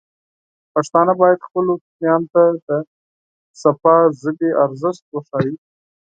پښتانه بايد خپلو ماشومانو ته د پاکې ژبې ارزښت وښيي.